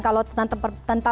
kalau tentang pemberlakuan